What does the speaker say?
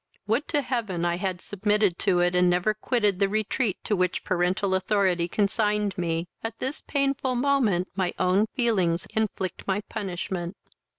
Would to heaven I had submitted to it, and never quitted the retreat to which parental authority consigned me! At this painful moment my own feelings inflict my punishment."